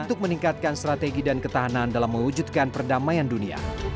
untuk meningkatkan strategi dan ketahanan dalam mewujudkan perdamaian dunia